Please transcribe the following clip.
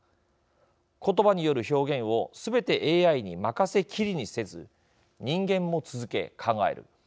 言葉による表現をすべてＡＩに任せきりにせず人間も続け、考える。